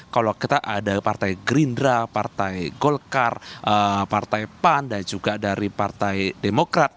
kalau kita ada partai gerindra partai golkar partai pan dan juga dari partai demokrat